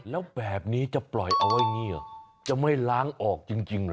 แล้วแบบนี้จะปล่อยเอาไว้อย่างนี้เหรอจะไม่ล้างออกจริงเหรอ